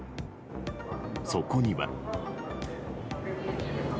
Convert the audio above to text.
そこには。